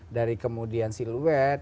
dari kemudian siluet